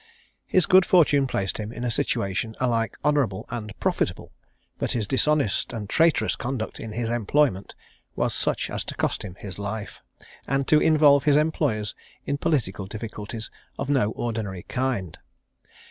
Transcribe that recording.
His good fortune placed him in a situation alike honourable and profitable, but his dishonest and traitorous conduct in his employment, was such as to cost him his life, and to involve his employers in political difficulties of no ordinary kind.